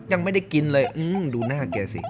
ยังไม่ได้กินเลยดูหน้าแกสิ